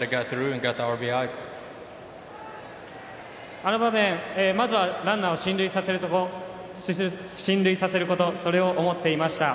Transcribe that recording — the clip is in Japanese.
あの場面まずはランナーを進塁させることそれを思っていました。